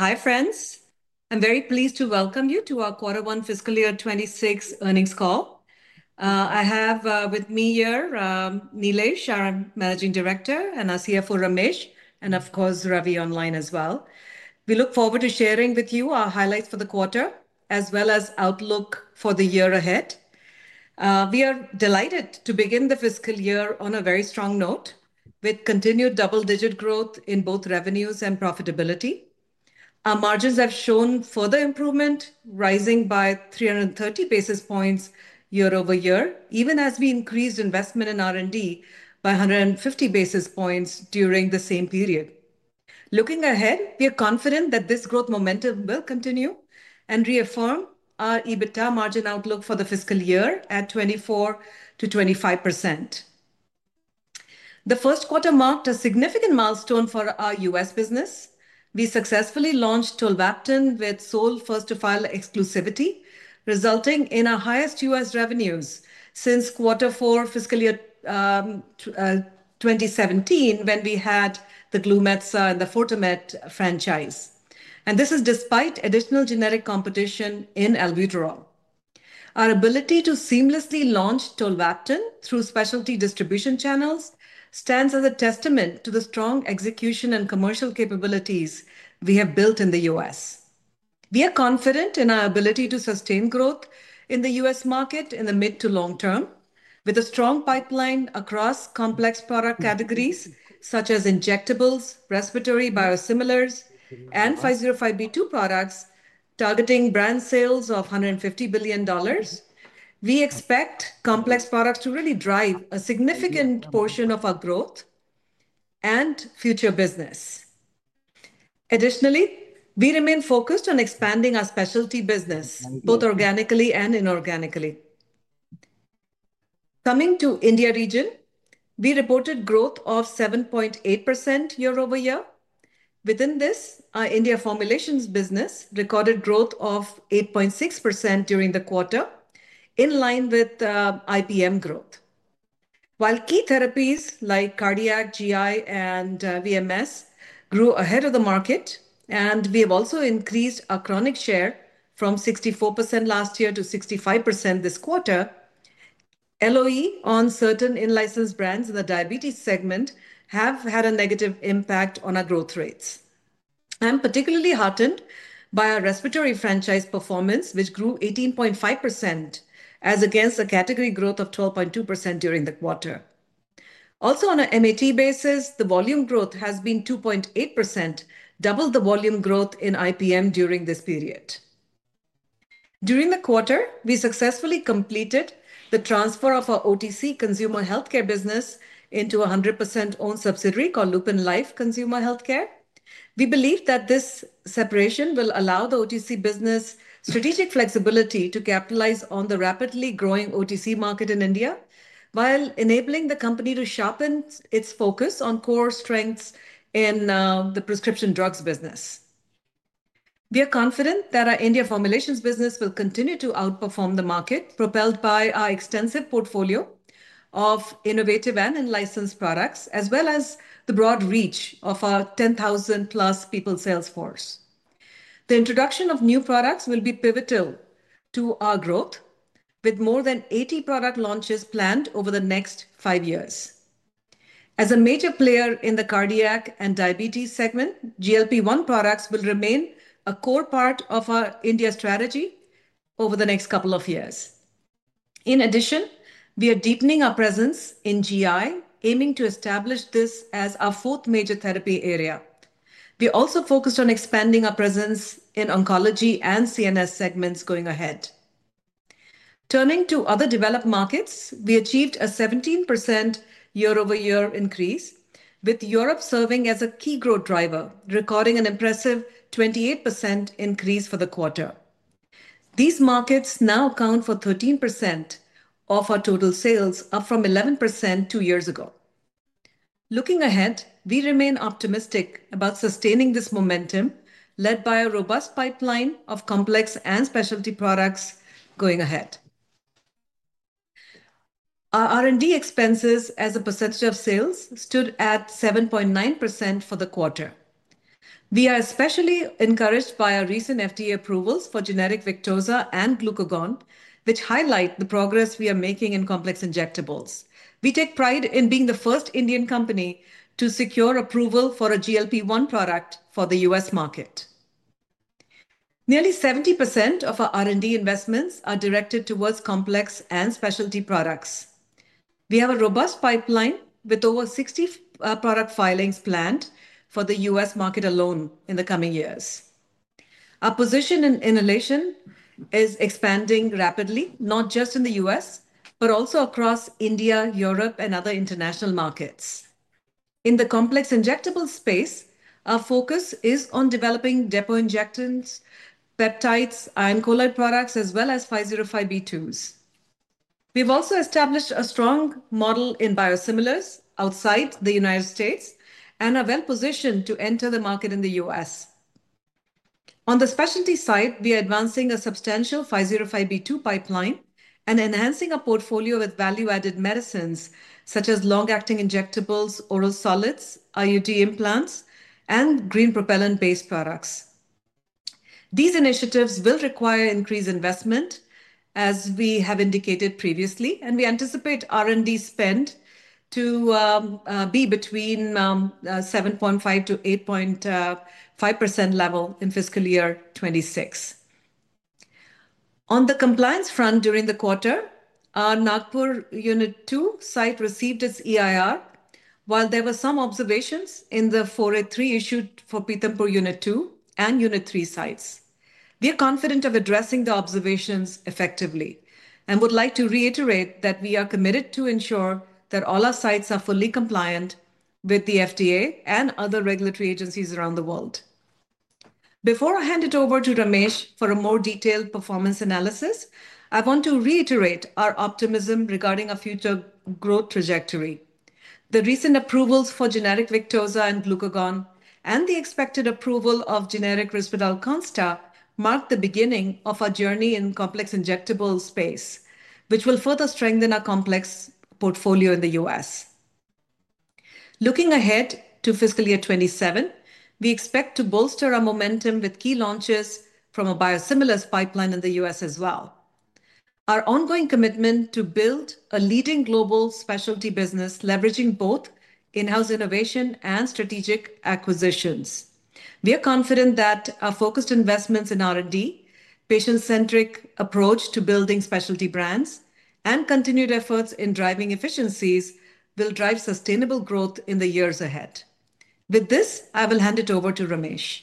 Hi friends, I'm very pleased to welcome you to our quarter one fiscal year 2026 earnings call. I have with me here Nilesh, our Managing Director, and our CFO Ramesh, and of course Ravi online as well. We look forward to sharing with you our highlights for the quarter as well as outlook for the year ahead. We are delighted to begin the fiscal year on a very strong note with continued double-digit growth in both revenues and profitability. Our margins have shown further improvement, rising by 330 basis points year-over-year even as we increased investment in R&D by 150 basis points during the same period. Looking ahead, we are confident that this growth momentum will continue and reaffirm our EBITDA margin outlook for the fiscal year at 24%-25%. The first quarter marked a significant milestone for our U.S. business. We successfully launched with sole first-to-file exclusivity, resulting in our highest U.S. revenues since quarter four fiscal year 2017 when we had the Glumetza and the Fortamet franchise. This is despite additional generic competition in albuterol. Our ability to seamlessly launch tolvaptan through specialty distribution channels stands as a testament to the strong execution and commercial capabilities we have built in the U.S. We are confident in our ability to sustain growth in the U.S. market in the mid to long term with a strong pipeline across complex product categories such as injectables, respiratory biosimilars, and 505(b)(2) products targeting brand sales of $150 billion. We expect complex products to really drive a significant portion of our growth and future business. Additionally, we remain focused on expanding our specialty business both organically and inorganically. Coming to India region, we reported growth of 7.8% year-over-year. Within this, our India formulations business recorded growth of 8.6% during the quarter in line with IPM growth. While key therapies like cardiac, GI, and VMS grew ahead of the market, we have also increased our chronic share from 64% last year to 65% this quarter. Lower on certain in-licensed brands in the diabetes segment have had a negative impact on our growth rates. I'm particularly heartened by our respiratory franchise performance, which grew 18.5% as against the category growth of 12.2% during the quarter. Also, on a MAT basis, the volume growth has been 2.8%, double the volume growth in IPM during this period. During the quarter we successfully completed the transfer of our OTC consumer healthcare business into a 100%-owned subsidiary called Lupin Life Consumer Healthcare. We believe that this separation will allow the OTC business strategic flexibility to capitalize on the rapidly growing OTC market in India, while enabling the company to sharpen its focus on core strengths in the prescription drugs business. We are confident that our India formulations business will continue to outperform the market, propelled by our extensive portfolio of innovative and unlicensed products as well as the broad reach of our 10,000+ people salesforce. The introduction of new products will be pivotal to our growth, with more than 80 product launches planned over the next five years. As a major player in the cardiac and diabetes segment, GLP-1 products will remain a core part of our India strategy over the next couple of years. In addition, we are deepening our presence in GI, aiming to establish this as our fourth major therapy area. We also focused on expanding our presence in oncology and CNS segments. Going ahead, turning to other developed markets, we achieved a 17% year-over-year increase with Europe serving as a key growth driver, recording an impressive 28% increase for the quarter. These markets now account for 13% of our total sales, up from 11% two years ago. Looking ahead, we remain optimistic about sustaining this momentum led by a robust pipeline of complex and specialty products going ahead. Our R&D expenses as a percentage of sales stood at 7.9% for the quarter. We are especially encouraged by our recent FDA approvals for generic Victoza and glucagon, which highlight the progress we are making in complex injectables. We take pride in being the first Indian company to secure approval for a GLP-1 product for the U.S. market. Nearly 70% of our R&D investments are directed towards complex and specialty products. We have a robust pipeline with over 60 product filings planned for the U.S. market alone in the coming years. Our position in inhalation is expanding rapidly not just in the U.S. but also across India, Europe, and other international markets. In the complex injectable space, our focus is on developing depo injectables, peptides, iron colloid products, as well as 505(b)(2)s. We've also established a strong model in biosimilars outside the United States and are well positioned to enter the market in the U.S. On the specialty side, we are advancing a substantial 505(b)(2) pipeline and enhancing our portfolio with value-added medicines such as long-acting injectables, oral solids, IUD implants, and green propellant-based products. These initiatives will require increased investment as we have indicated previously, and we anticipate R&D spend to be between 7.5%-8.5% level in the fiscal year 2026. On the compliance front, during the quarter our Nagpur Unit-2 site received its EIR, while there were some observations in the 483 issued for Pithampur Unit-2 and Unit-3 sites. We are confident of addressing the observations effectively and would like to reiterate that we are committed to ensure that all our sites are fully compliant with the FDA and other regulatory agencies around the world. Before I hand it over to Ramesh for a more detailed performance analysis, I want to reiterate our optimism regarding our future growth trajectory. The recent approvals for generic Victoza and glucagon and the expected approval of generic Risperdal Consta mark the beginning of our journey in complex injectable space, which will further strengthen our complex portfolio in the U.S. Looking ahead to fiscal year 2027, we expect to bolster our momentum with key launches from a biosimilars pipeline in the U.S. as well as our ongoing commitment to build a leading global specialty business leveraging both in-house innovation and strategic acquisitions. We are confident that our focused investments in R&D, patient-centric approach to building specialty brands, and continued efforts in driving efficiencies will drive sustainable growth in the years ahead. With this, I will hand it over to Ramesh.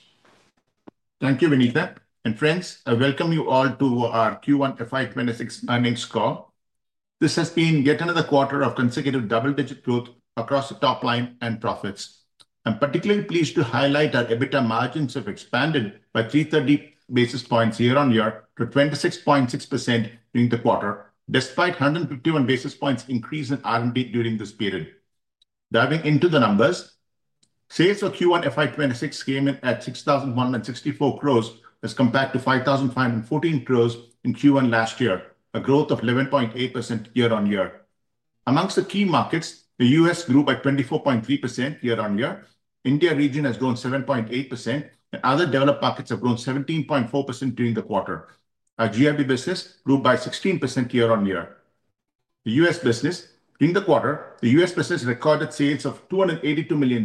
Thank you Vinita and friends. I welcome you all to our Q1 FY 2026 earnings call. This has been yet another quarter of consecutive double-digit growth across the top line and profits. I'm particularly pleased to highlight our EBITDA margins have expanded by 330 basis points year-on-year to 26.6% during the quarter despite a 151 basis points increase in R&D during this period. Diving into the numbers, sales for Q1 FY 2026 came in at 6,164 crores as compared to 5,514 crores in Q1 last year, a growth of 11.8% year-on-year. Amongst the key markets, the U.S. grew by 24.3% year-on-year, India region has grown 7.8%, and other developed markets have grown 17.4% during the quarter. Our GRB business grew by 16% year-on-year. The U.S. business during the quarter recorded sales of $282 million,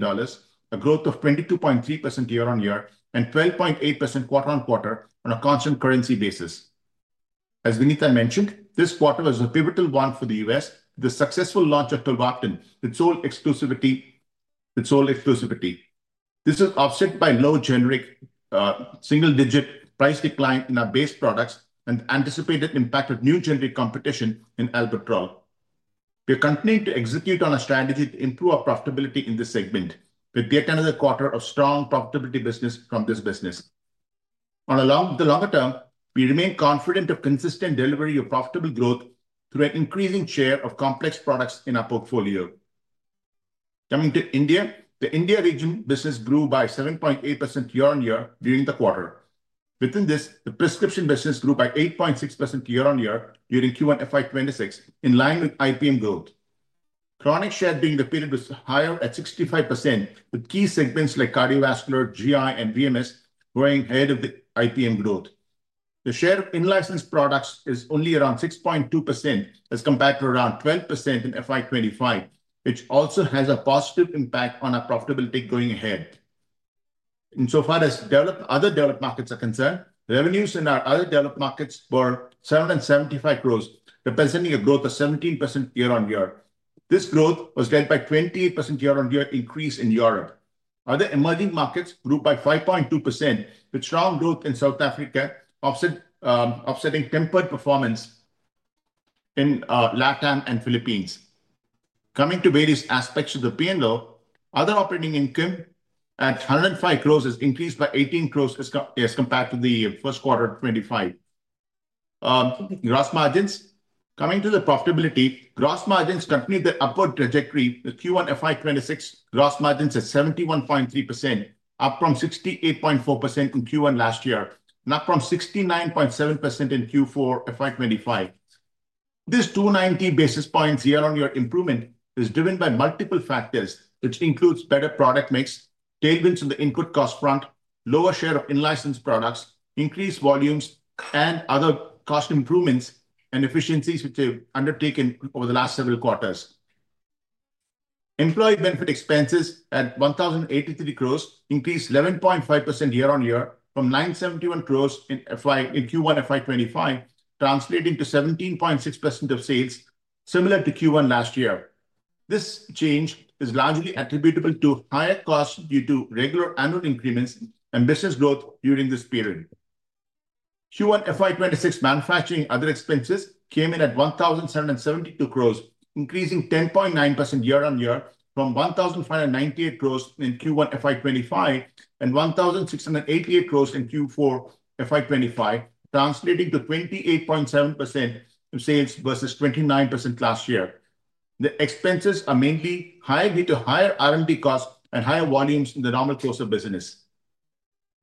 a growth of 22.3% year-on-year and 12.8% quarter-on-quarter on a constant currency basis. As Vinita mentioned, this quarter was a pivotal one for the U.S. with the successful launch of tolvaptan, its sole exclusivity. This is offset by low generic single-digit price decline in our base products and anticipated impact of new generic competition in albuterol. We're continuing to execute on our strategy to improve our profitability in this segment with yet another quarter of strong profitability from this business. Along the longer term, we remain confident of consistent delivery of profitable growth through an increasing share of complex products in our portfolio. Coming to India, the India region business grew by 7.8% year- on-year during the quarter. Within this, the prescription business grew by 8.6% year-on-year during Q1 FY 2026 in line with IPM growth. Chronic share during the period was higher at 65% with key segments like cardiovascular, GI, and VMS growing ahead of the IPM growth. The share of in-licensed products is only around 6.2% as compared to around 12% in FY 2025, which also has a positive impact on our profitability going ahead. Insofar as other developed markets are concerned, revenues in our other developed markets were 775 crores, representing a growth of 17% year-on-year. This growth was led by a 28% year-on-year increase in Europe. Other emerging markets grew by 5.2% with strong growth in South Africa offsetting tempered performance in LATAM and Philippines. Coming to various aspects of the P&L, other operating income at 105 crores has increased by 18 crores as compared to the first quarter. Gross margins, coming to the profitability, gross margins continue the upward trajectory. The Q1 FY 2026 gross margins at 71.3% are up from 68.4% in Q1 last year and up from 69.7% in Q4 FY 2025. This 290 basis points year-on-year improvement is driven by multiple factors, which includes better product mix, tailwinds in the input cost front, lower share of in-licensed products, increased volumes, and other cost improvements and efficiencies which have been undertaken over the last several quarters. Employee benefit expenses at 1,083 crores increased 11.5% year-on-year from 971 crores in Q1 FY 2025, translating to 17.6% of sales, similar to Q1 last year. This change is largely attributable to higher costs due to regular annual increments and business growth during this period. Q1 FY 2026 manufacturing other expenses came in at 1,772 crores, increasing 10.9% year-on-year from 1,598 crores in Q1 FY 2025 and 1,688 crores in Q4 FY 2025, translating to 28.7% of sales versus 29% last year. The expenses are mainly high due to higher R&D cost and higher volumes in the normal closer business.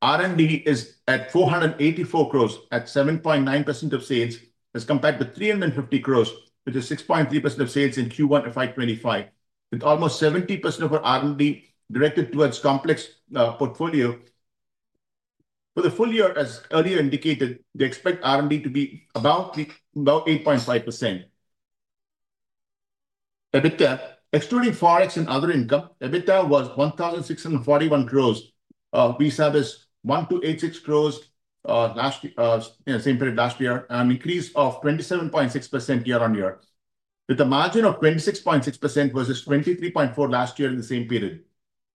R&D is at 484 crores at 7.9% of sales as compared to 350 crores, which is 6.3% of sales in Q1 FY 2025 with almost 70% of our R&D directed towards complex portfolio. For the full year, as earlier indicated, they expect R&D to be about 8.5%. EBITDA excluding forex and other income, EBITDA was 1,641 crores. We saw this was 1,286 crores same period last year, an increase of 27.6% year-on-year with a margin of 26.6% versus 23.4% last year in the same period.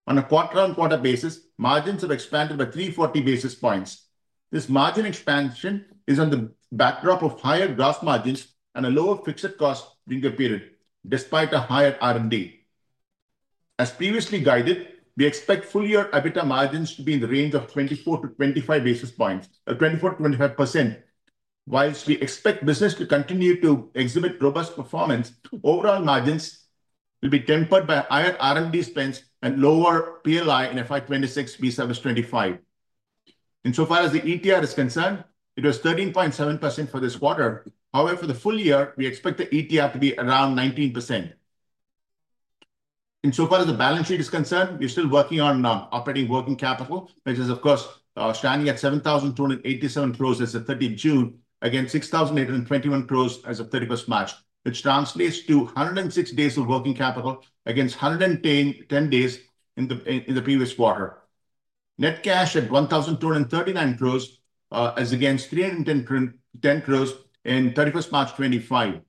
On a quarter-on-quarter basis, margins have expanded by 340 basis points. This margin expansion is on the backdrop of higher gross margins and a lower fixed cost during the period. Despite a higher R&D, as previously guided, we expect full year EBITDA margins to be in the range of 24%-25%. While we expect business to continue to exhibit robust performance, overall margins will be tempered by higher R&D spends and lower PLI in FY 2026 vis-à-vis 2025. Insofar as the ETR is concerned, it was 13.7% for this quarter. However, for the full year, we expect the ETR to be around 19%. Insofar as the balance sheet is concerned, we're still working on operating working capital, which is of course standing at 7,287 crores as of 30 June, against 6,821 crores as of 31st March, which translates to 106 days of working capital against 110 days in the previous quarter. Net cash at 1,239 crores as against 310 crores in 31st March 2025.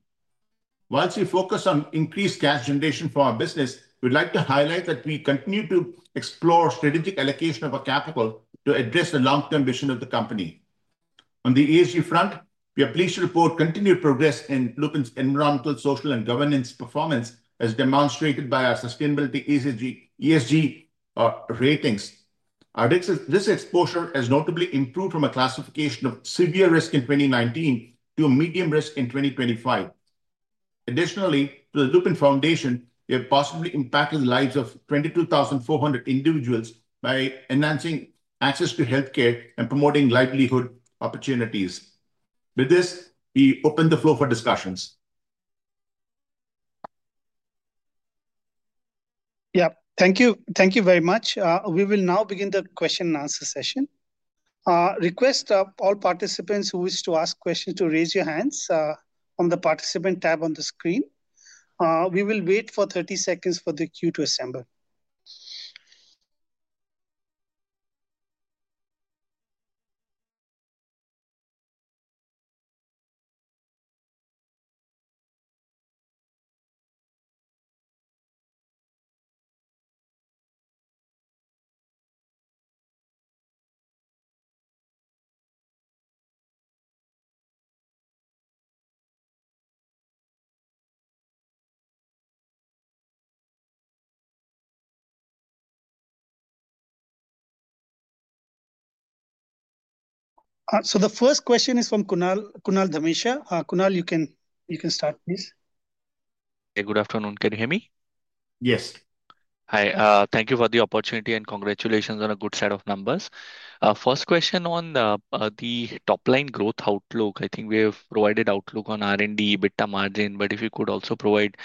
Whilst we focus on increased cash generation for our business, we'd like to highlight that we continue to explore strategic allocation of our capital to address the long-term vision of the company. On the ESG front, we are pleased to report continued progress in Lupin's environmental, social, and governance performance as demonstrated by our sustainability ESG ratings. This exposure has notably improved from a classification of severe risk in 2019 to a medium risk in 2025. Additionally, the Lupin Foundation has positively impacted lives of 22,400 individuals by enhancing access to health care and promoting livelihood opportunities. With this, we open the floor for discussions. Thank you. Thank you very much. We will now begin the question and answer session. Request all participants who wish to ask questions to raise your hands on the participant tab on the screen. We will wait for 30 seconds for the queue to assemble. The first question is from Kunal Dhamesha. Kunal, you can start please. Hey, good afternoon. Can you hear me? Yes, hi. Thank you for the opportunity and congratulations on a good set of numbers. First question on the top line growth outlook. I think we have provided outlook on R&D EBITDA margin. If you could also provide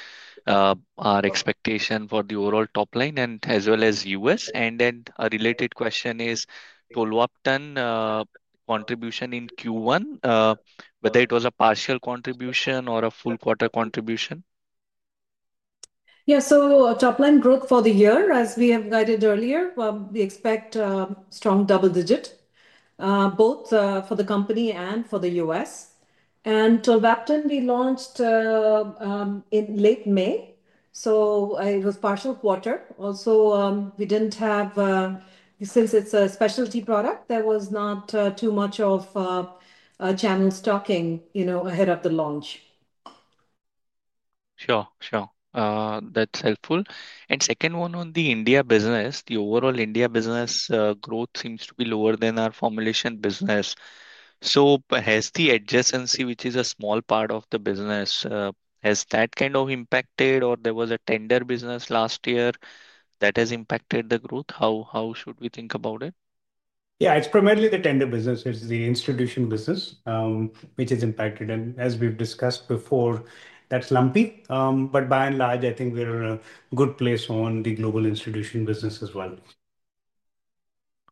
our expectation for the overall top line as well as U.S. A related question is contribution in Q1, whether it was a partial contribution or a full quarter contribution. Yeah. Top line growth for the year, as we have guided earlier, we expect strong double-digit both for the company and for the U.S. tolvaptan we launched in late May, so it was a partial quarter. Also, we didn't have, since it's a specialty product, there was not too much of channel stocking ahead of the launch. Sure, that's helpful. The second one on the India business, the overall India business growth seems to be lower than our formulations business. Has the adjacency, which is a small part of the business, kind of impacted or was there a tender business last year that has impacted the growth? How should we think about it? Yeah, it's primarily the tender business. It's the institution business which is impacted, and as we've discussed before, that's lumpy. By and large, I think we're in a good place on the global institution business as well.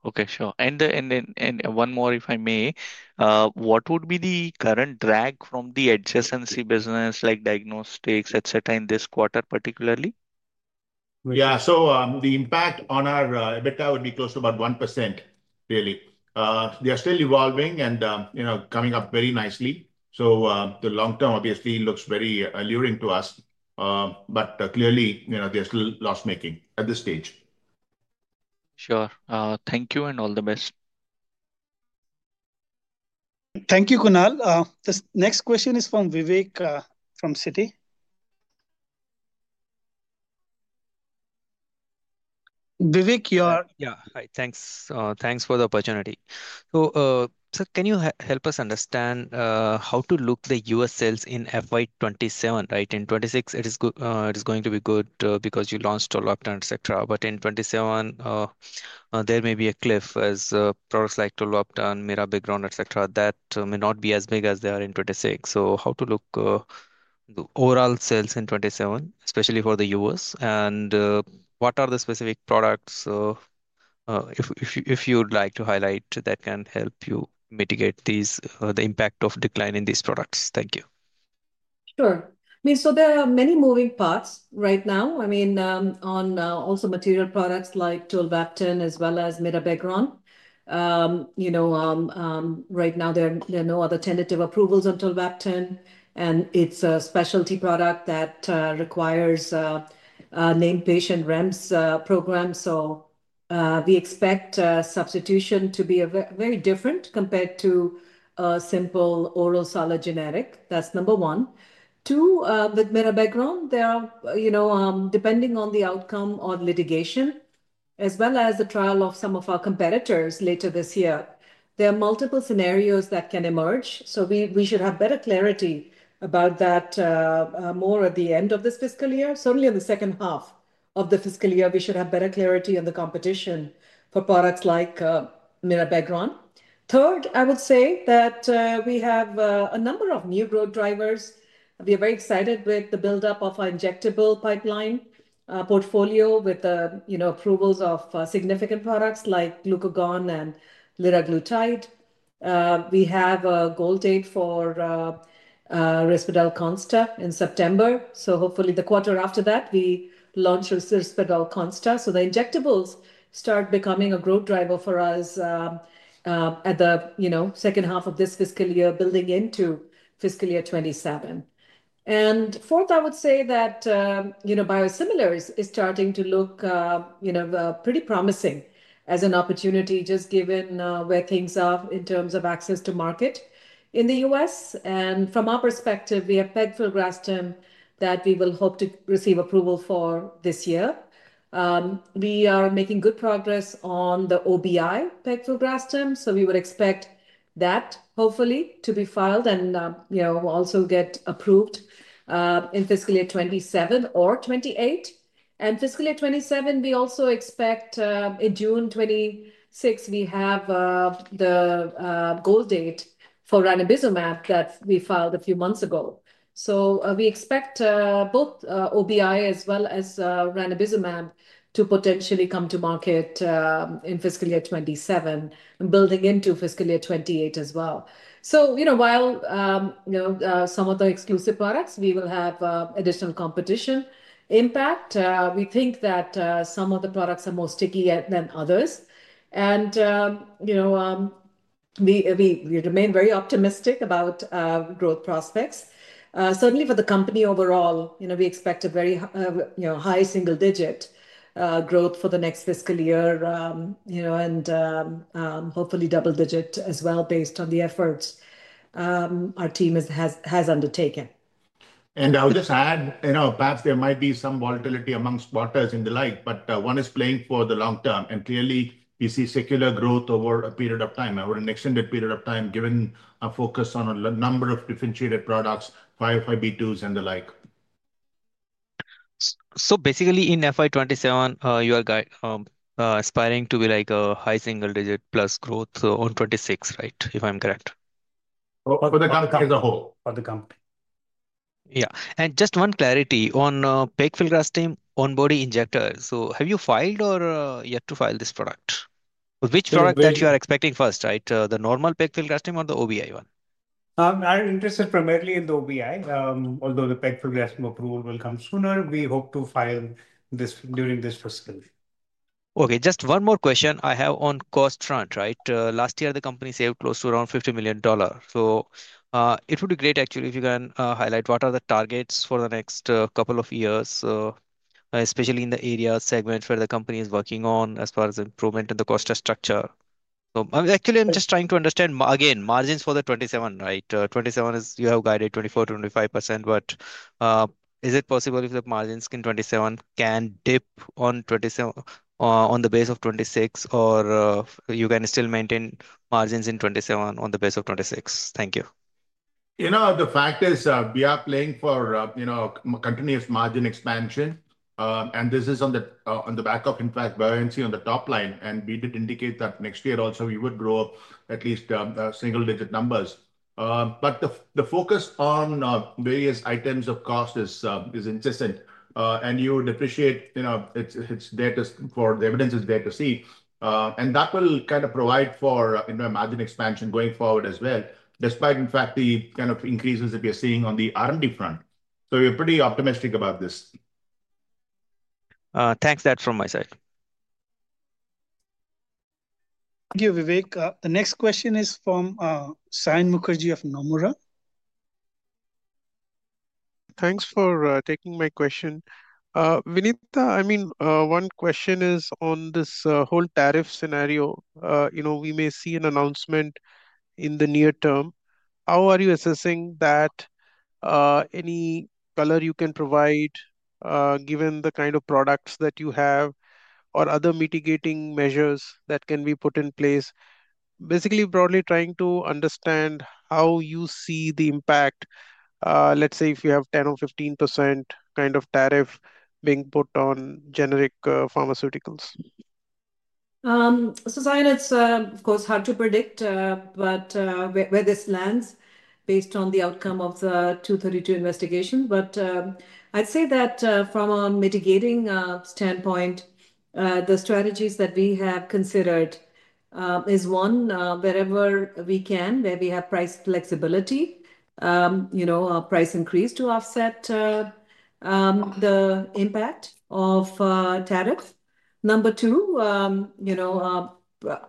Okay, sure. One more if I may. What would be the current drag from the adjacency business like diagnostics etc. in this quarter particularly? Yeah, so the impact on our EBITDA would be close to about 1%. They are still evolving and coming up very nicely. The long-term obviously looks very alluring to us. Clearly there's loss making at this stage. Sure. Thank you and all the best. Thank you, Kunal. This next question is from Vivek from Citi. Vivek you are Yeah, hi. Thanks. Thanks for the opportunity. Can you help us understand how to look at the U.S. sales in FY 2027, right? In 2026, it is going to be good because you launched upon, etc. In 2027, there may be a cliff as products like tolvaptan, mirabegron, etc, may not be as big as they are in 2026. How should we look at the overall sales in 2027, especially for the U.S., and what are the specific products, if you would like to highlight, that can help you mitigate the impact of decline in these products? Thank you. Sure. There are many moving parts right now. I mean on also material products like tolvaptan as well as mirabegron. Right now there are no other tentative approvals on tolvaptan and it's a specialty product that requires named patient REMS program. We expect substitution to be very different compared to simple oral solid generic. That's number one. Two, with mirabegron there are, depending on the outcome of litigation, as well as the trial of some of our competitors later this year, there multiple scenarios that can emerge. We should have better clarity about that more at the end of this fiscal year. Certainly in the second half of the fiscal year, we should have better clarity on the competition for products like mirabegron. Third, I would say that we have a number of new growth drivers. We are very excited with the buildup of our injectable pipeline portfolio with approvals of significant products like glucagon and liraglutide. We have a goal date for Risperdal Consta in September. Hopefully the quarter after that we launch Risperdal Consta. The injectables start becoming a growth driver for us at the second half of this fiscal year, building into fiscal year 2027. Fourth, I would say that biosimilars are starting to look pretty promising as an opportunity just given where things are in terms of access to market in the U.S. and from our perspective, we have pegfilgrastim that we will hope to receive approval for this year. We are making good progress on the OBI pegfilgrastim. We would expect that hopefully to be filed and also get approved in fiscal year 2027 or 2028. In fiscal year 2027, we also expect in June 2026 we have the goal date for ranibizumab that we filed a few months ago. We expect both OBI as well as ranibizumab to potentially come to market in fiscal year 2027, building into fiscal year 2028 as well. While some of the exclusive products we will have additional competition impact, we think that some of the products are more sticky than others. We remain very optimistic about growth prospects certainly for the company overall. We expect a very high single-digit growth for the next fiscal year, and hopefully double-digit as well based on the efforts our team has undertaken. I'll just add perhaps there might be some volatility amongst quarters and the like, but one is playing for the long-term and clearly you see secular growth over a period of time, over an extended period of time given a focus on a number of differentiated products, 505(b)(2)s and the like. In FY 2027 you are aspiring to be like a high single-digit plus growth on 2026, right? If I'm correct. As a whole for the company. Yeah. Just one clarity on pegfilgrastim On-Body Injector. Have you filed or yet to file this product? Which product are you expecting first, the normal pegfilgrastim or the OBI one? I'm interested primarily in the OBI, although the pegfilgrastim approval will come sooner. We hope to file this during this fiscal year. Okay, just one more question I have on cost front, right. Last year the company saved close to around $50 million. It would be great actually if you can highlight what are the targets for the next couple of years, especially in the area segments where the company is working on as far as improvement in the cost structure. I'm just trying to understand again margins for 2027, right? 2027 is, you have guided 24%, 25%. Is it possible if the margins in 2027 can dip on 2027 on the base of 2026 or you can still maintain margins in 2027 on the base of 2026. Thank you. You know, the fact is we are playing for continuous margin expansion, and this is on the back of, in fact, buoyancy on the top line. We did indicate that next year also we would grow at least single-digit numbers. The focus on various items of cost is insistent, and you appreciate it's there, the evidence is there to see, and that will kind of provide for margin expansion going forward as well, despite, in fact, the kind of increases that we are seeing on the R&D front. We are pretty optimistic about this. Thanks. That's from my side. Thank you, Vivek. The next question is from Saion Mukherjee of Nomura. Thanks for taking my question, Vinita. One question is on this whole tariff scenario. We may see an announcement in the near-term. How are you assessing that? Any color you can provide given the kind of products that you have or other mitigating measures that can be put in place? Basically, broadly trying to understand how you see the impact, let's say if you have 10% or 15% kind of tariff being put on generic pharmaceuticals. Saion, it's of course hard to predict where this lands based on the outcome of the 232 investigation. I'd say that from a mitigating standpoint, the strategies that we have considered are, one, wherever we can, where we have price flexibility, price increase to offset the impact of tariffs. Number two,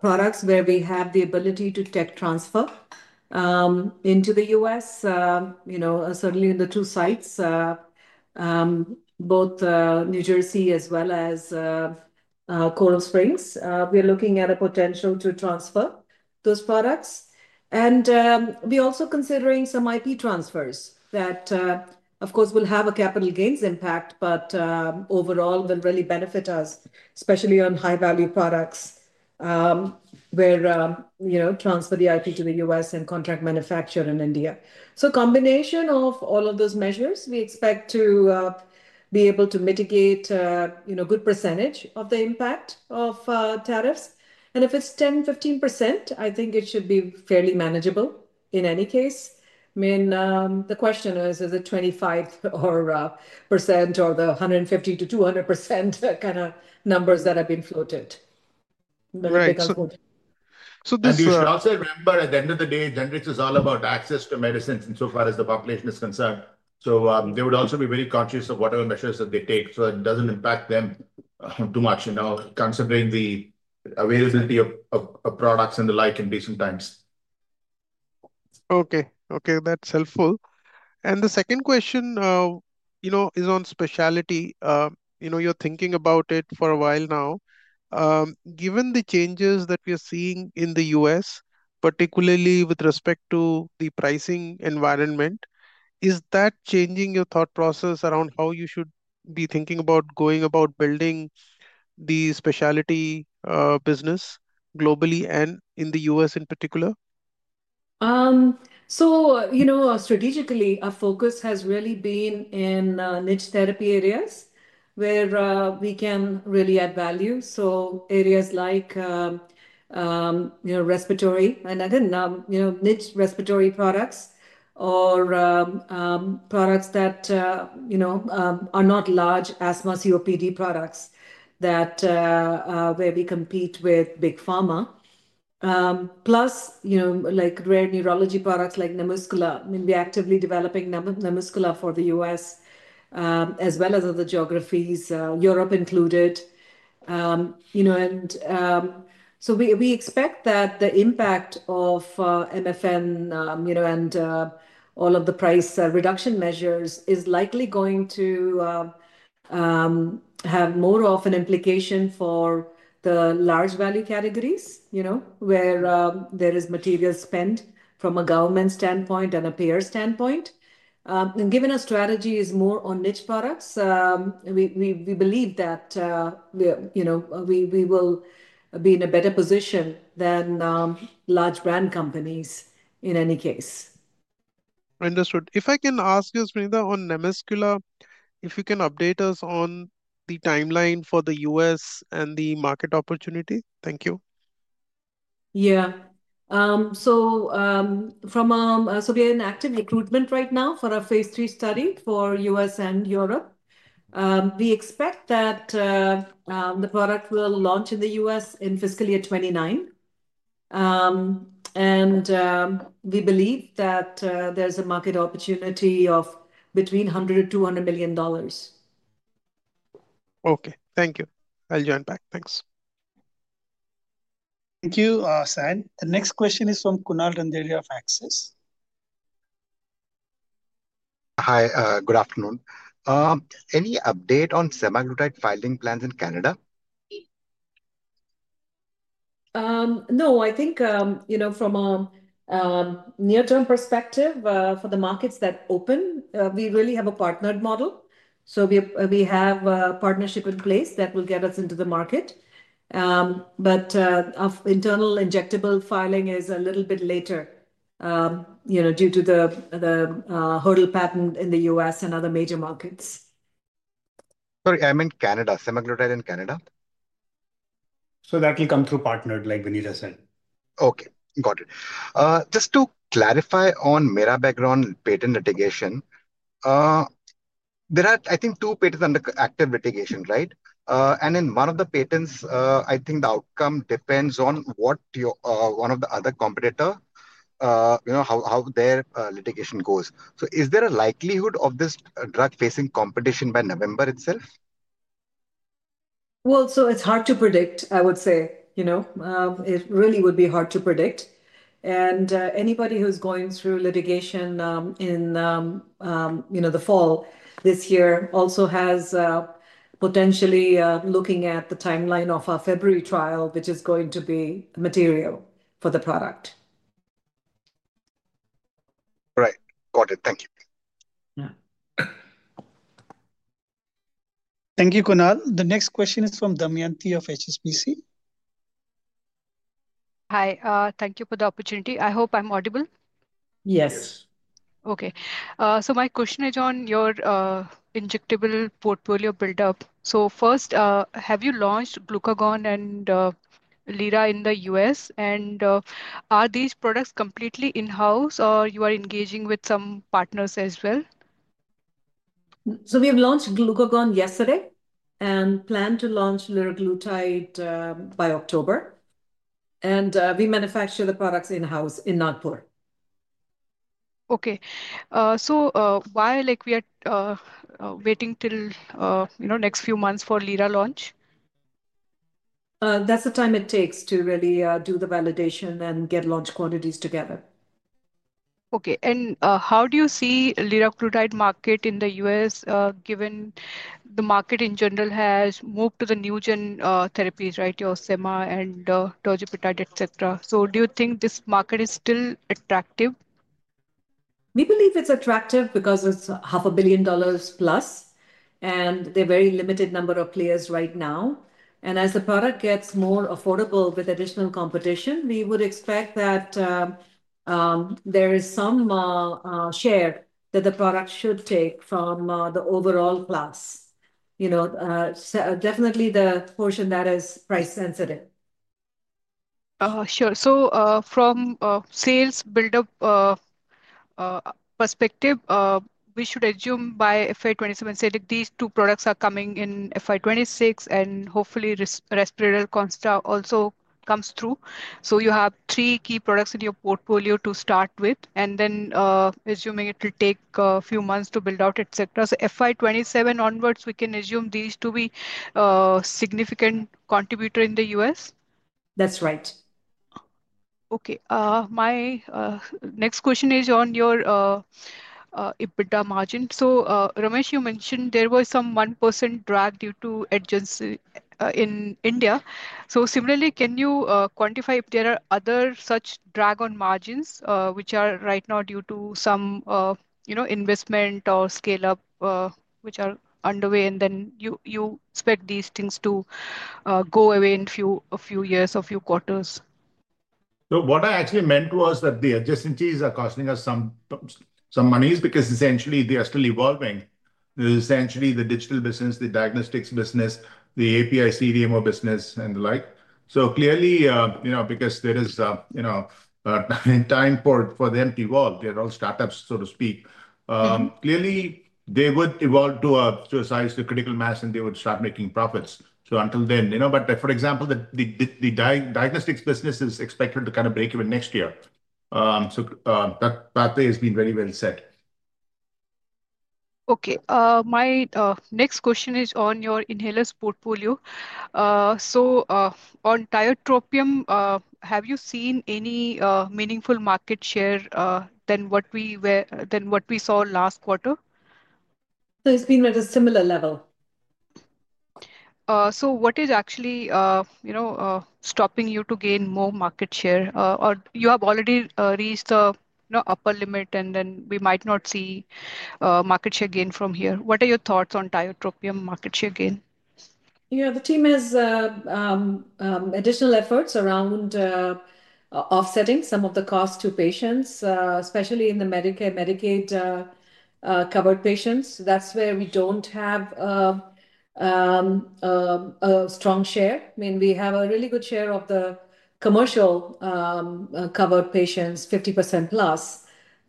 products where we have the ability to tech transfer into the U.S., certainly in the two sites, both New Jersey as well as Coral Springs, we're looking at a potential to transfer those products. We are also considering some IP transfers that will have a capital gains impact, but overall will really benefit us, especially on high value products where we transfer the IP to the U.S. and contract manufacture in India. A combination of all of those measures, we expect to be able to mitigate a good percentage of the impact of tariffs. If it's 10%, 15%, I think it should be fairly manageable. In any case, the question is, is it 25% or the 150%-200% kind of numbers that have been floated. At the end of the day, generics is all about access to medicines insofar as the population is concerned. They would also be very conscious of whatever measures that they take, so it doesn't impact them too much, you know, considering the availability of products and the like in recent times. Okay, that's helpful. The second question is on specialty. You're thinking about it for a while now. Given the changes that we are seeing in the U.S., particularly with respect to the pricing environment, is that changing your thought process around how you should be thinking about going about building the specialty business globally and in the U.S. in particular. Strategically, our focus has really been in niche therapy areas where we can really add value. Areas like respiratory and again niche respiratory products or products that, you know, are not large as my COPD products where we compete with big pharma, plus, you know, like rare neurology products like neuromuscular. We're actively developing neuromuscular for the U.S as well as other geographies, Europe included. You know, we expect that the impact of MFN, you know, and all of the price reduction measures is likely going to have more of an implication for the large value categories, where there is material spend from a government standpoint and a payer standpoint. Given our strategy is more on niche products, we believe that we will be in a better position than large brand companies in any case. Understood. If I can ask you, [Ms.] Vinita, on NaMuscla if you can update us on the timeline for the U.S. and the market opportunity. Thank you. We are in active recruitment right now for our phase three study for the U.S. and Europe. We expect that the product will launch in the U.S. in fiscal year 2029, and we believe that there's a market opportunity of between $100 million-$200 million. Okay, thank you. I'll join back. Thanks. Thank you. Saion. The next question is from Kunal Randeria of Axis. Hi, good afternoon. Any update on semaglutide filing plans in Canada? No, I think from a near-term perspective for the markets that open, we really have a partnered model. We have a partnership in place that will get us into the market, but internal injectable filing is a little bit later due to the hurdle patent in the U.S. and other major markets. Sorry, I meant Canada, semaglutide in Canada. That will come through partnered like Vinita said. Okay, got it. Just to clarify, on mirabegron patent litigation, there are, I think, two patents under active litigation, right? In one of the patents, I think the outcome depends on what one of the other competitors, you know, how their litigation goes. Is there a likelihood of this drug facing competition by November itself? It's hard to predict. I would say it really would be hard to predict. Anybody who's going through litigation in the fall this year also has potentially looking at the timeline of a February trial, which is going to be material for the product. Right, got it. Thank you. Thank you. Kunal. The next question is from Damayanti of HSBC. Hi, thank you for the opportunity. I hope I'm audible. Yes. Okay, my question is on your injectable portfolio buildup. First, have you launched glucagon and lira in the U.S., and are these products completely in house or are you engaging with some partners as well? We have launched glucagon yesterday and plan to launch liraglutide by October, and we manufacture the products in-house in Nagpur. Okay, why are we waiting till, you know, next few months for lira launch? That's the time it takes to really do the validation and get launch quantities together. Okay. How do you see liraglutide market in the U.S., given the market in general has moved to the new gen therapies, right, your sema and tirzepatide, etc.? Do you think this market is still attractive? We believe it's attractive because it's $500 million+ and the very limited number of players right now. As the product gets more affordable with additional competition, we would expect that there is some share that the product should take from the overall class, definitely the portion that is price sensitive. Sure. From a sales buildup perspective, we should assume by FY 2027 that these two products are coming in FY 2026 and hopefully respiratory constraint also comes through. You have three key products in your portfolio to start with, and then assuming it will take a few months to build out, etc., so FY 2027 onwards we can assume these to be significant contributor in the U.S.? That's right. Okay, my next question is on your EBITDA margin. Ramesh, you mentioned there was some 1% drag due to adjacency in India. Similarly, can you quantify if there are other such drag on margins which are right now due to some, you know, investment or scale up, which are underway and then you expect these things to go away in a few years, a few quarters. What I actually meant was that the adjacent fees are costing us some monies because essentially they are still evolving, essentially the digital business, the diagnostics business, the API CDMO business and the like. Clearly, you know, because there is, you know, time for them to evolve. They're all start-ups, so to speak. Clearly they would evolve to a size, to critical mass and they would start making profits. Until then, for example, the diagnostics business is expected to kind of break even next year. That pathway has been very well set. Okay, my next question is on your inhalers portfolio. On tiotropium, have you seen any meaningful market share than what we saw last quarter? It has been at a similar level. What is actually stopping you to gain more market share or you have already reached the upper limit and then we might not see market share gain from here. What are your thoughts on tiotropium market share gain? The team has additional efforts around offsetting some of the costs to patients, especially in the Medicare Medicaid-covered patients. That's where we don't have a strong share. I mean we have a really good share of the commercial covered patients, 50%+.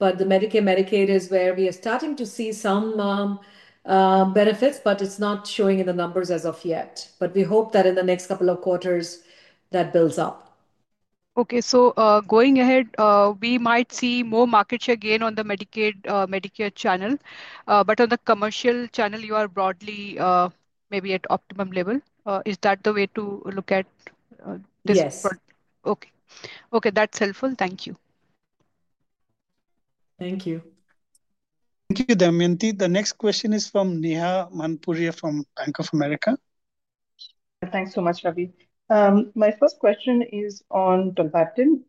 The Medicare Medicaid is where we are starting to see some benefits, but it's not showing in the numbers as of yet. We hope that in the next couple of quarters that builds up. Okay, so going ahead, we might see more market share gain on the Medicare channel, but on the commercial channel you are broadly maybe at optimum level. Is that the way to look at this? Yes Okay. Okay, that's helpful. Thank you. Thank you. Thank you Damayanti. The next question is from Neha Manpuria from Bank of America. Thanks so much, Ravi. My first question is on tolvaptan.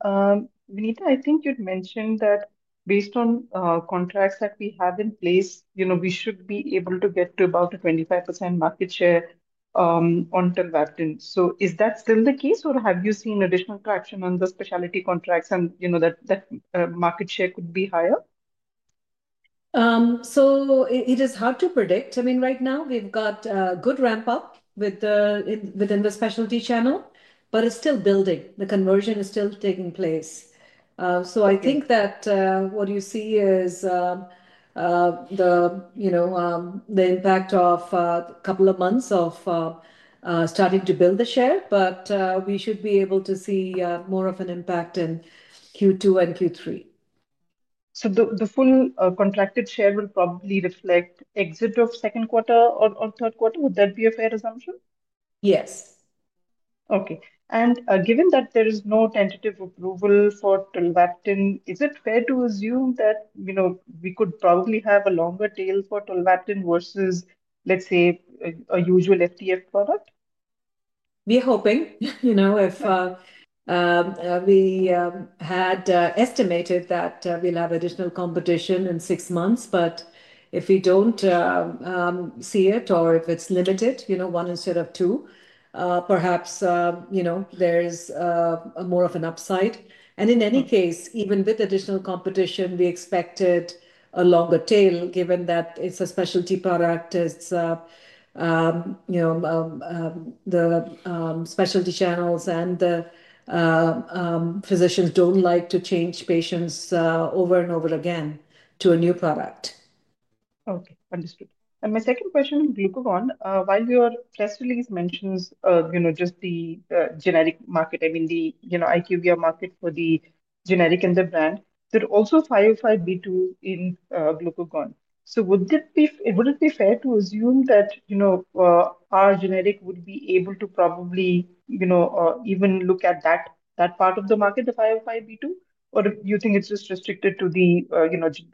Vinita, I think you'd mentioned that based on contracts that we have in place, you know, we should be able to get to about 25% market share until wept in. Is that still the case or have you seen additional traction on the specialty contracts? You know that the market share could be higher. It is hard to predict. Right now we've got good ramp up within the specialty channel, but it's still building. The conversion is still taking place. I think that what you see is the impact of a couple of months of starting to build the share. We should be able to see more of an impact in Q2 and Q3. The full contracted share will probably reflect exit of second quarter or third quarter. Would that be a fair assumption? Yes. Okay. Given that there is no tentative approval for tolvaptan, is it fair to assume that, you know, we could probably have a longer tail for tolvaptan versus let's say a usual FTF product? We're hoping, you know, if we had estimated that we'll have additional competition in six months. If we don't see it or if it's limited, one instead of two, perhaps there's more of an upside. In any case, even with additional competition, we expected a longer tail. Given that it's a specialty product, the specialty channels and the physicians don't like to change patients over and over again to a new product. Okay, understood. My second question, glucagon, while your press release mentions just the generic market, I mean the, you know, IQVIA market for the generic and the brand, there are also 505(b)(2) in glucagon. Would it be fair to assume that our generic would be able to probably even look at that part of the market, the 505(b)(2), or do you think it's just restricted to the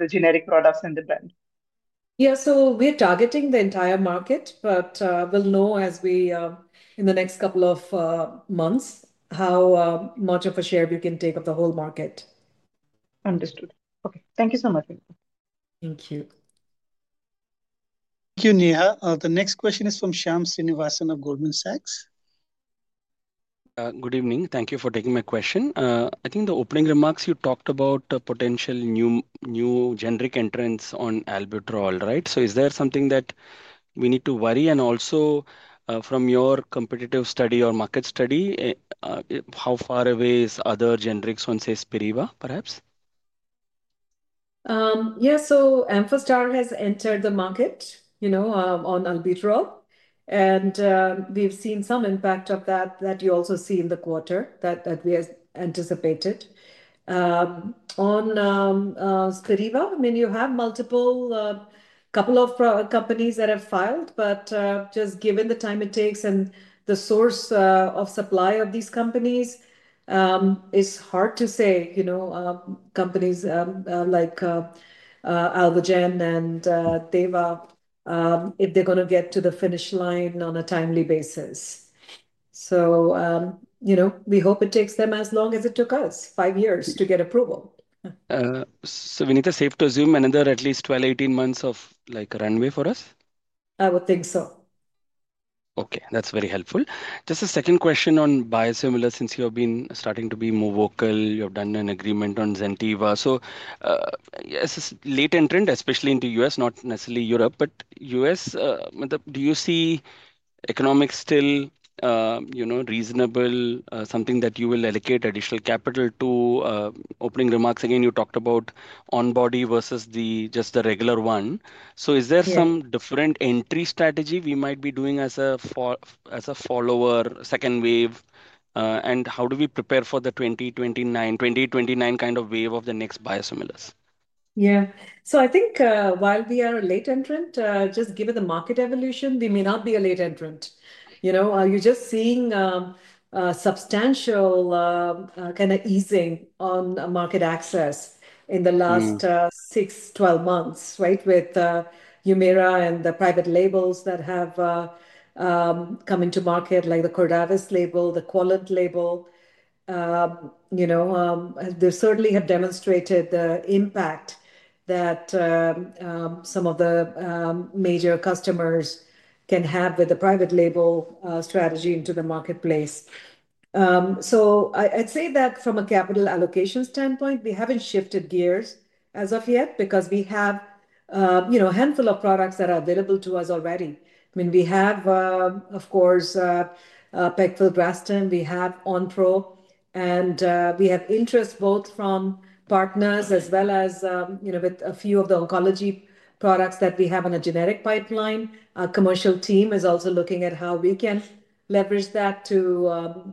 generic products and the brand? Yeah, we're targeting the entire market, but we'll know in the next couple of months how much of a share you can take up the whole market. Understood. Okay. Thank you so much. Thank you. Thank you, Neha. The next question is from Shyam Srinivasan of Goldman Sachs. Good evening. Thank you for taking my question. I think in the opening remarks, you talked about potential new generic entrants on albuterol, right? Is there something that we need to worry about? Also, from your competitive study or market study, how far away are other generics? One, say, Spiriva perhaps? Yeah. Amphastar has entered the market, you know, on albuterol, and we've seen some impact of that that you also see in the quarter that we anticipated on Spiriva. I mean, you have multiple, couple of companies that have filed, but just given the time it takes and the source of supply of these companies, it's hard to say, you know, companies like Alvogen and Teva if they're going to get to the finish line on a timely basis. We hope it takes them as long as it took us five years to get approval. Safe to assume another at least 12 to 18 months of runway for us? I would think so. Okay, that's very helpful. Just a second question. On biosimilars, since you have been starting to be more vocal, you've done an agreement on Zentiva, so it's a late entrant, especially in the U.S., not necessarily Europe, but U.S. Do you see economics still reasonable, something that you will allocate additional capital to? Opening remarks, again, you talked about on-body versus just the regular one. Is there some different entry strategy we might be doing as a follower, second wave? How do we prepare for the 2029 kind of wave of the next biosimilars? Yeah. I think while we are a late entrant, just given the market evolution, we may not be a late entrant. You're just seeing substantial kind of easing on market access in the last 6 to 12 months, right? With HUMIRA and the private labels that have come into market, like the Cordavis label, the Quallent label, they certainly have demonstrated the impact that some of the major customers can have with the private label strategy into the marketplace. I'd say that from a capital allocation standpoint, we haven't shifted gears as of yet because we have a handful of products that are available to us already. We have, of course, pegfilgrastim, we have Onpro, and we have interest both from partners as well as with a few of the oncology products that we have in a generic pipeline. Our commercial team is also looking at how we can leverage that to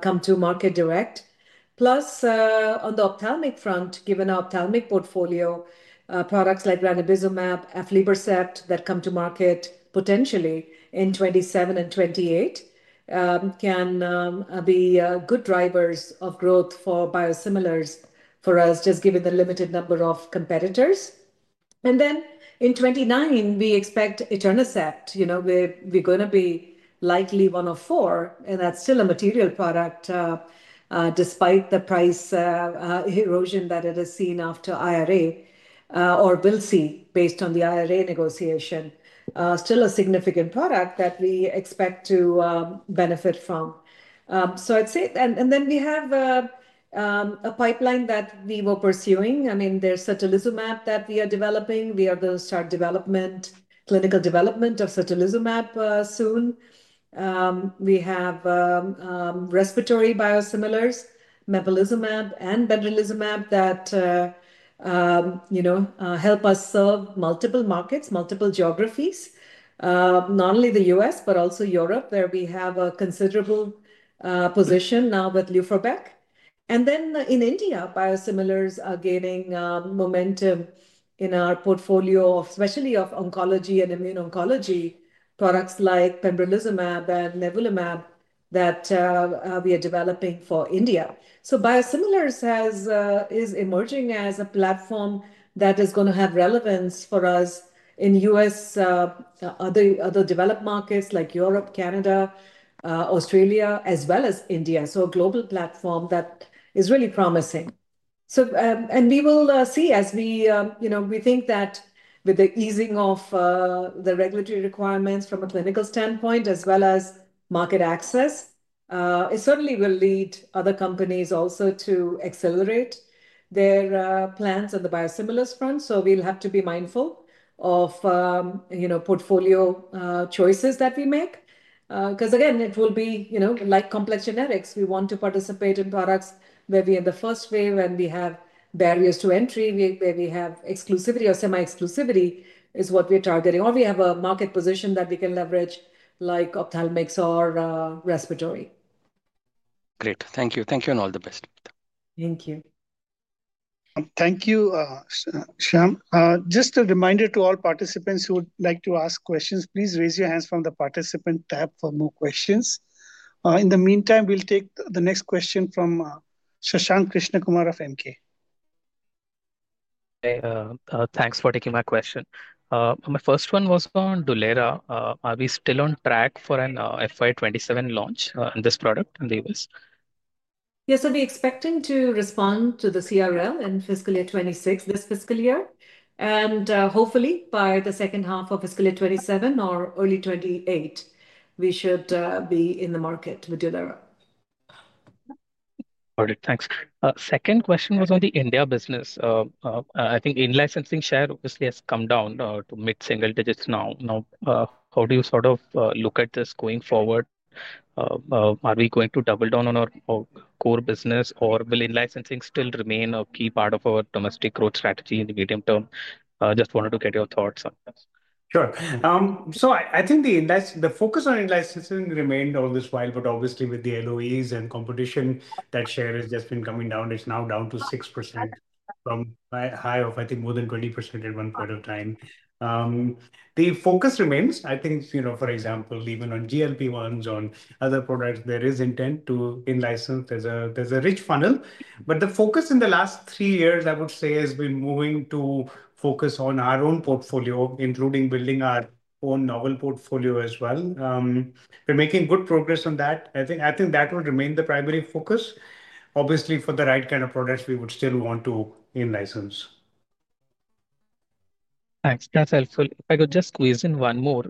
come to market direct. Plus, on the ophthalmic front, given our ophthalmic portfolio, products like ranibizumab, aflibercept that come to market potentially in 2027 and 2028 can be good drivers of growth for biosimilars for us, just given the limited number of competitors. In 2029, we expect etanercept, we're going to be likely one of four. That's still a material product, despite the price erosion that it has seen after IRA or will see based on the IRA negotiation, still a significant product that we expect to benefit from. We have a pipeline that we are pursuing. There's certolizumab that we are developing. We are going to start development, clinical development of certolizumab soon. We have respiratory biosimilars, mepolizumab and benralizumab that help us serve multiple markets, multiple geographies, not only the U.S. but also Europe, where we have a considerable position now with Luprobec. In India, biosimilars are gaining momentum in our portfolio, especially of oncology and immuno-oncology products like pembrolizumab and nivolumab that we are developing for India. Biosimilars is emerging as a platform that is going to have relevance for us in the U.S., other developed markets like Europe, Canada, Australia as well as India. A global platform that is really promising and we will see as we, you know, we think that with the easing of the regulatory requirements from a clinical standpoint as well as market access, it certainly will lead other companies also to accelerate their plans on the biosimilars front. We'll have to be mindful of portfolio choices that we make because again, it will be like complex generics. We want to participate in products where we have the first wave and we have barriers to entry, where we have exclusivity or semi-exclusivity is what we are targeting, or we have a market position that we can leverage like ophthalmics or respiratory. Great, thank you. Thank you and all the best. Thank you. Thank you. Shyam. Just a reminder to all participants who would like to ask questions, please raise your hands from the participant tab for more questions. In the meantime, we'll take the next question from Shashank Krishnakumar of Emkay. Thanks for taking my question. My first one was on DULERA. Are we still on track for an FY 2027 launch in this product? Yes. I'll be expecting to respond to the CRL in fiscal year 2026, this fiscal year, and hopefully by the second half of fiscal year 2027 or early 2028, we should be in the market with DULERA. All right, thanks. Second question was on the India business. I think in-licensing share obviously has come down to mid single-digits now. How do you sort of look at this going forward? Are we going to double down on our core business or will in-licensing still remain a key part of our domestic growth strategy in the medium-term? Just wanted to get your thoughts. Sure. I think the focus on licensing remained all this while, but obviously with the LOEs and competition that share has just been coming down. It's now down to 6% from a high of, I think, more than 20% at one point of time. The focus remains, I think, for example, even on GLP-1s, on other products there is intent to in-license. There's a rich funnel. The focus in the last three years, I would say, has been moving to focus on our own portfolio, including building our own novel portfolio as well. We're making good progress on that. I think that will remain the primary focus. Obviously, for the right kind of products, we would still want to in-license. Thanks, that's helpful. If I could just squeeze in one more.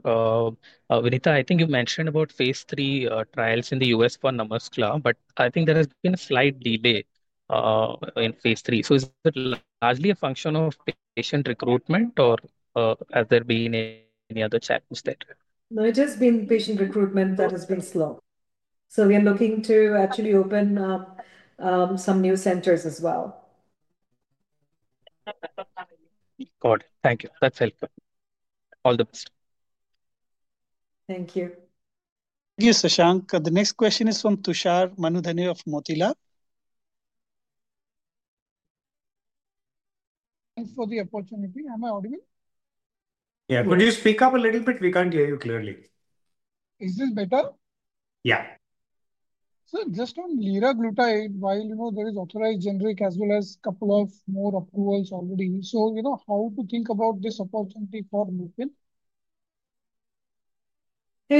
Vinita, I think you mentioned about phase III trials in the U.S. for NaMuscla, but I think there has been slight debate in phase III. Is it largely a function of patient recruitment, or has there been any other challenges? No, it has been patient recruitment that has been slow. We are looking to actually open up some new centers as well. Got it. Thank you, that's helpful. All the best. Thank you. Thank you. Shashank. The next question is from Tushar Manudhane of Motilal. Thanks for the opportunity. Am I audible? Yeah. Could you speak up a little bit? We can't hear you clearly. Is this better? Yeah. Just on liraglutide, while you know there is authorized generic as well as a couple of more approvals already, you know how to think about this opportunity for Lupin?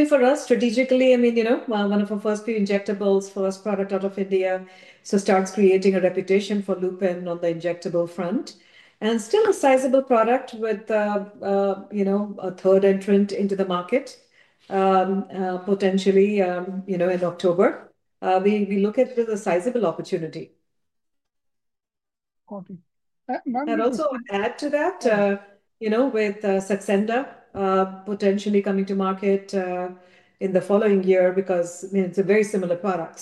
For us strategically, I mean, you know, one of our first few injectables, first product out of India. It starts creating a reputation for Lupin on the injectable front and still a sizable product with a third entrant into the market potentially in October. We look at it as a sizable opportunity. Also, add to that with Saxenda potentially coming to market in the following year because it's a very similar product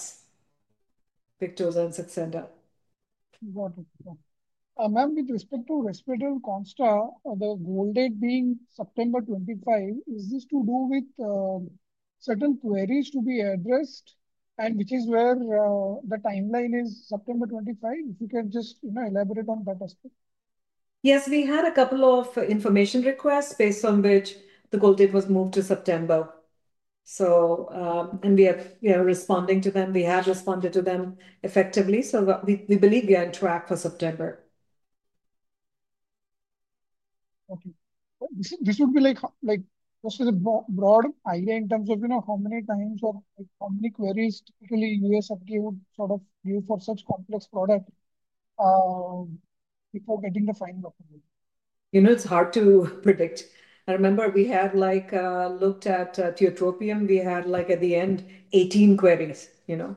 to Victoza and Saxenda. Ma'am, with respect to respiratory Risperdal Consta, the goal date being September 25. Is this to do with certain queries to be addressed, and which is where the timeline is? September 25. If you can just elaborate on that aspect. Yes, we had a couple of information requests based on which the goal date was moved to September. We are responding to them, we had responded to them effectively. We believe we are on track for September. Okay.. This would be like, this is a broad idea in terms of, you know, how many times or how many queries typically U.S. FDA would sort of view for such complex product before getting the final document. You know, it's hard to predict. I remember we had looked at tiotropium. We had, at the end, 18 queries, you know.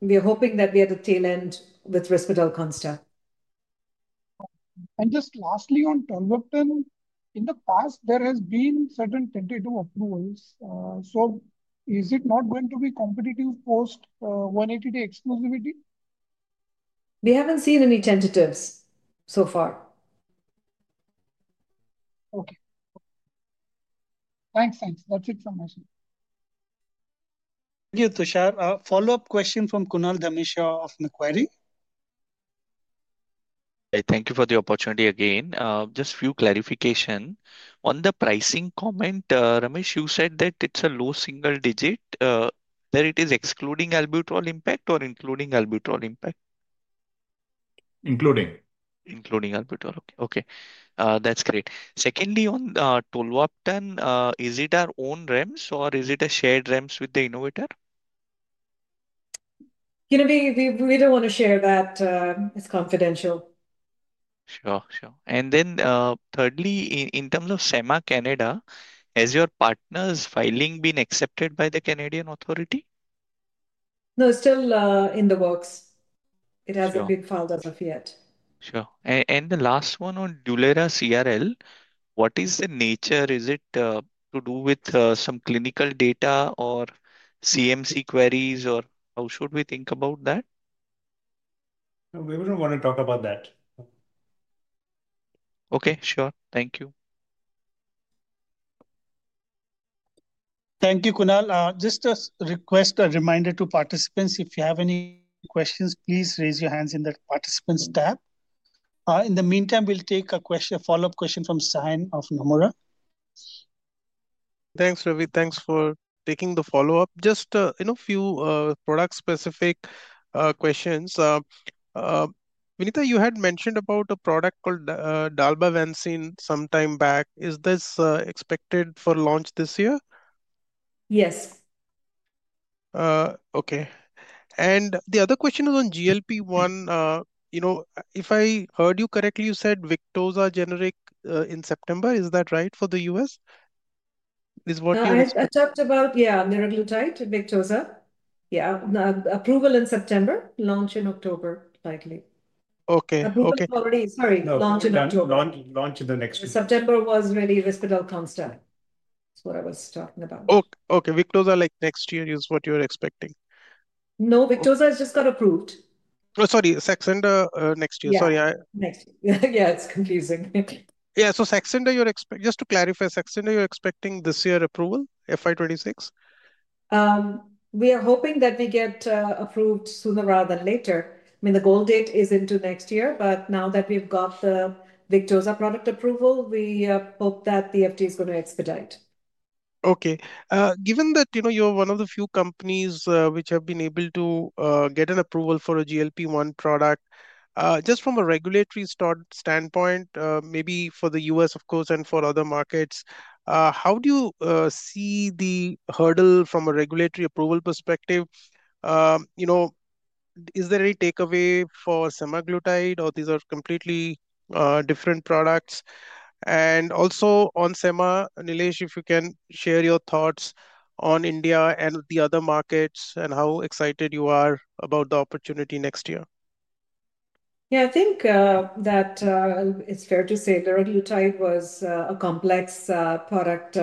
We are hoping that we are at the tail end with Risperdal Consta. Just lastly on tolvaptan, in the past there have been certain tentative approvals. Is it not going to be competitive post 180-day exclusivity? We haven't seen any tentatives so far. Okay, thanks. That's it from us. Thank you, Tushar. Follow-up question from Kunal Dhamesha of Macquarie. Thank you for the opportunity. Again, just a few clarifications on the pricing comment. Ramesh, you said that it's a low single-digit. There it is. Excluding albuterol impact or including albuterol impact? Including. Including albuterol. Okay, that's great. Secondly, on tolvaptan, is it our own REMS or is it a shared REMS with the innovator? You know we don't want to share that. It's confidential. Sure. Thirdly, in terms of sema Canada, has your partner's filing been accepted by the Canadian authority? No, still in the works. It hasn't been filed as of yet. Sure. The last one on DULERA CRL, what is the nature? Is it to do with some clinical data or CMC queries or how should we think about that? We wouldn't want to talk about that. Okay, sure. Thank you. Thank you, Kunal. Just a request, a reminder to participants, if you have any questions, please raise your hands in the participants tab. In the meantime, we'll take a question, a follow-up question from Saion of Nomura. Thanks, Ravi. Thanks for taking the follow-up. Just, you know, few product specific questions. You had mentioned about a product called dalbavancin some time back. Is this expected for launch this year? Yes. Okay. The other question is on GLP-1, you know, if I heard you correctly, you said Victoza generic in September, is that right? For the U.S. is what I talked about. Yeah. liraglutide to Victoza. Yeah. Approval in September, launch in October, likely. Okay. Sorry, launch in October. September was really Risperdal Consta. That's what I was talking about. Okay. Okay. Victoza, like next year is what you're expecting? No, Victoza has just got approved. Sorry, Saxenda, next year. Sorry. Yeah, it's confusing. Saxenda, you're expecting. Just to clarify, Saxenda, you're expecting this year approval, FY 2026? We are hoping that we get approved sooner rather than later. I mean, the goal date is into next year. Now that we've got the Victoza product approval, we hope that the FDA is going to expedite. Okay. Given that, you know, you're one of the few companies which have been able to get an approval for a GLP-1 product, just from a regulatory standpoint, maybe for the U.S. of course, and for other markets, how do you see the hurdle from a regulatory approval perspective? Is there any takeaway for semaglutide or these are completely different products? Also, on sema, Nilesh, if you can share your thoughts on India and the other markets and how excited you are about the opportunity next year. Yeah, I think that it's fair to say the radio type was a complex product.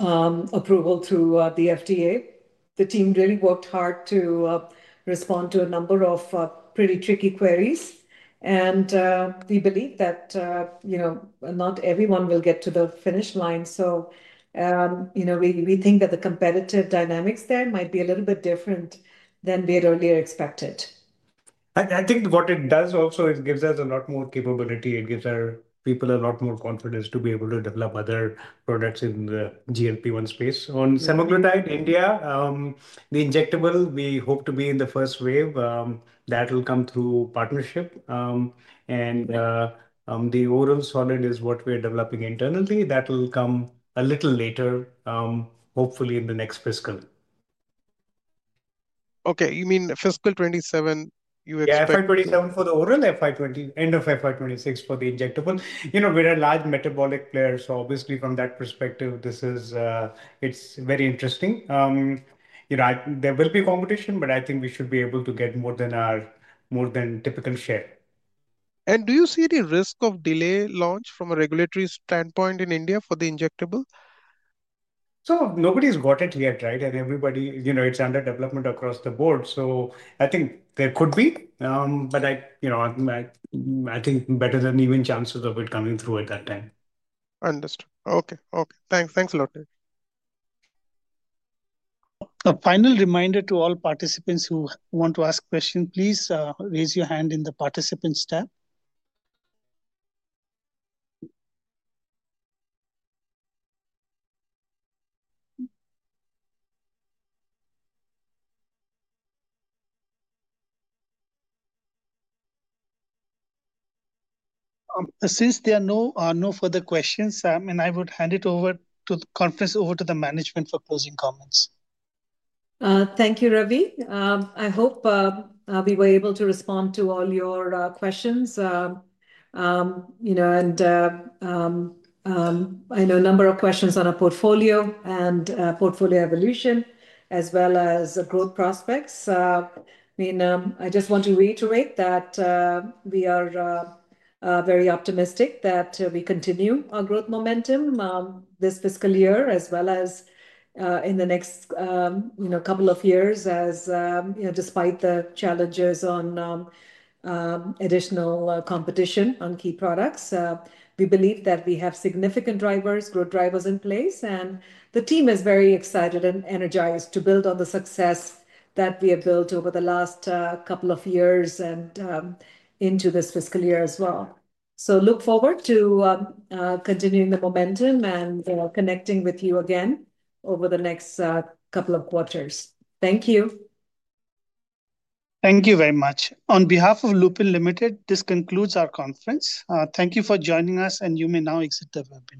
Approval through the FDA. The team really worked hard to respond to a number of pretty tricky queries, and we believe that, you know, not everyone will get to the finish line. We think that the competitive dynamics there might be a little bit different than we had earlier expected. I think what it does also is gives us a lot more capability. Our people are a lot more confident to be able to develop other products in the GLP-1 space on semaglutide India. The injectable, we hope to be in the first wave. That will come through partnership, and the oral solid is what we are developing internally. That will come a little later, hopefully in the next fiscal year. Okay, you mean fiscal 2027. Yeah, FY 2027 for the oral, end of FY 2026 for the injectable. You know, we're a large metabolic player. Obviously from that perspective, this is very interesting. There will be competition, but I think we should be able to get more than our more than typical share. Do you see the risk of delay launch from a regulatory standpoint in India for the injectable? Nobody's bought it yet, right? Everybody knows it's under development across the board. I think there could be, but I think better than even chances of it coming through at that time. Understood. Okay. Thanks. Thanks a lot. A final reminder to all participants who want to ask questions, please raise your hand in the participants tab. Since there there are no further questions and I would hand the conference over to the management for closing comments. Thank you Ravi. I hope we were able to respond to all your questions. You know, I know a number of questions on our portfolio and portfolio evolution as well as growth prospects. I just want to reiterate that we are very optimistic that we continue our growth momentum this fiscal year as well as in the next couple of years, despite the challenges on additional competition on key products. We believe that we have significant drivers, growth drivers in place, and the team is very excited and energized to build on the success that we have built over the last couple of years and into this fiscal year as well. I look forward to continuing the momentum and connecting with you again over the next couple of quarters. Thank you. Thank you very much. On behalf of Lupin Limited, this concludes our conference. Thank you for joining us. You may now exit the webinar.